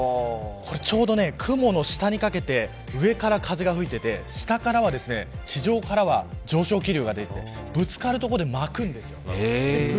ちょうど雲の下にかけて上から風が吹いていて下から、地上からは上昇気流が出てぶつかるところで巻くんですよね。